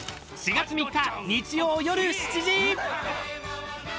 ４月３日、日曜夜７時。